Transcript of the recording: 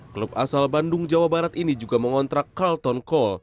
klub asal bandung jawa barat ini juga mengontrak carlton cole